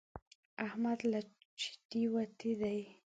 احمد له چتې وتی دی.